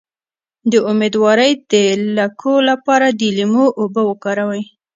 د امیدوارۍ د لکو لپاره د لیمو اوبه وکاروئ